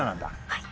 はい。